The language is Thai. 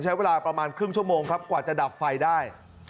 ใช้เวลาประมาณครึ่งชั่วโมงครับกว่าจะดับไฟได้